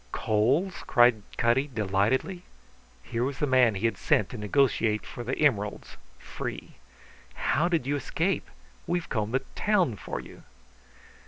"Coles?" cried Cutty delightedly. Here was the man he had sent to negotiate for the emeralds, free. "How did you escape? We've combed the town for you."